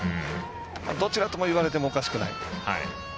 どちらといわれてもおかしくない。